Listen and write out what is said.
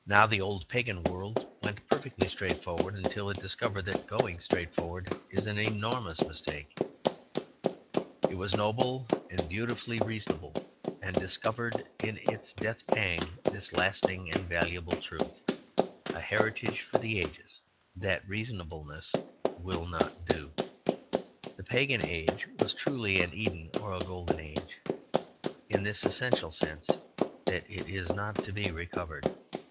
Now the old pagan world went perfectly straightforward until it discovered that going straightforward is an enormous mistake. It was nobly and beautifully reasonable, and discovered in its death pang this lasting and valuable truth, a heritage for the ages, that reasonableness will not do. The pagan age was truly an Eden or golden age, in this essential sense, that it is not to be recovered.